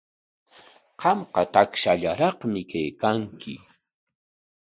Qamqa takshallaraqmi kaykanki.